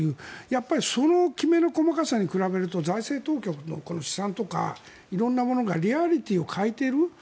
やっぱりそのきめの細かさに比べると財政当局のこの試算とか色んなものがリアリティーを欠いている。